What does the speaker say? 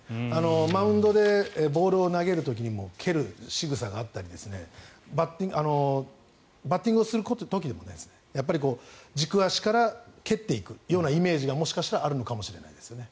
マウンドでボールを投げる時にも蹴るしぐさがあったりバッティングをする時にも軸足から蹴っていくようなイメージがもしかしたらあるのかもしれないですね。